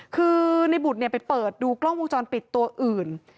คือในบุตรไปเปิดดูกล้องวงจรปิดตัวอื่น